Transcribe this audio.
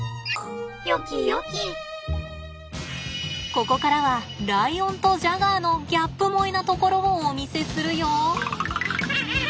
ここからはライオンとジャガーのギャップ萌えなところをお見せするよ。